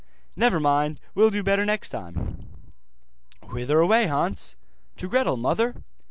'Never mind, will do better next time.' 'Whither away, Hans?' 'To Gretel, mother.